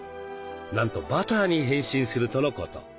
なんとバターに変身するとのこと。